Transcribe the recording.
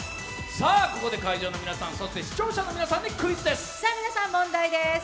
ここで会場の皆さん、視聴者の皆さんにクイズです。